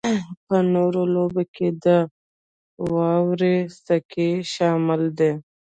په نورو لوبو کې د واورې سکی شامل دی